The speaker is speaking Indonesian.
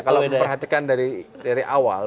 kalau memperhatikan dari awal